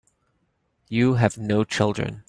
You have no children.